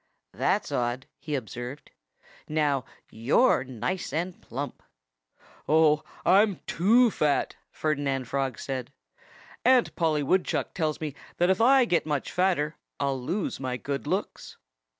"That's odd," he observed. "Now, you're nice and plump." "Oh, I'm too fat," Ferdinand Frog said. "Aunt Polly Woodchuck tells me that if I get much fatter I'll lose my good looks."